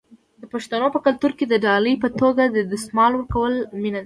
د پښتنو په کلتور کې د ډالۍ په توګه دستمال ورکول مینه ده.